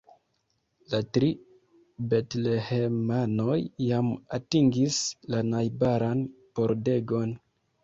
La tri betlehemanoj jam atingis la najbaran pordegon.